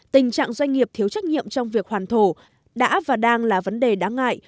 tình trạng doanh nghiệp thiếu trách nhiệm trong việc hoàn thổ đã và đang là vấn đề đáng ngại